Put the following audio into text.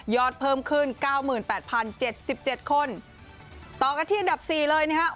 เพิ่มขึ้นเก้าหมื่นแปดพันเจ็ดสิบเจ็ดคนต่อกันที่อันดับสี่เลยนะฮะ